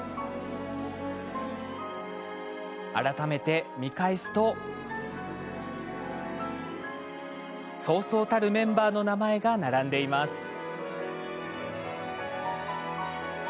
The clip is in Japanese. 改めて見返すとそうそうたるメンバーの名前が並んでいます。